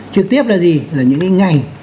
trực tiếp là gì là những ngành